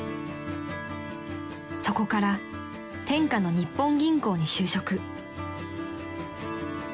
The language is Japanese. ［そこから天下の日本銀行に就職］